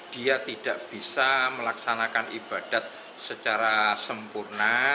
dia tidak bisa melaksanakan ibadat secara sempurna